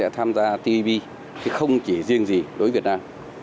tham gia tv không chỉ riêng gì đối với việt nam